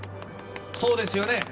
そうですよね。